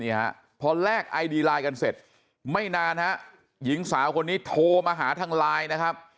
ฮะพอแลกไอดีไลน์กันเสร็จไม่นานฮะหญิงสาวคนนี้โทรมาหาทางไลน์นะครับ